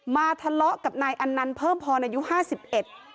มาทะเลาะกับนายอันนั้นเพิ่มพอในอายุ๕๑